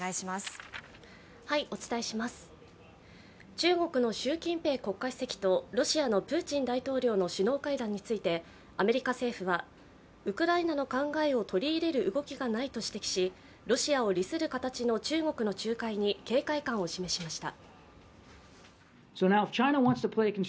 中国の習近平国家主席とロシアのプーチン大統領の首脳会談についてアメリカ政府はウクライナの考えを取り入れる動きがないと指摘しロシアを利する形の中国の仲介に警戒感を示しました。